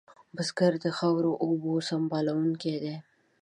بزګر د خاورو اوبو سنبالونکی دی